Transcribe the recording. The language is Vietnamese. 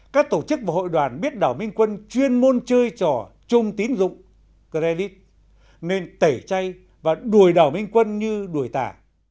các tổ chức và hội đoàn biết đảo minh quân chuyên môn chơi trò chung tín dụng nên tẩy chay và đuổi đảo minh quân như đuổi tả